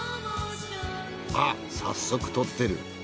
あっ早速撮ってる。